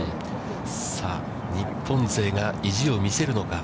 さあ、日本勢が意地を見せるのか。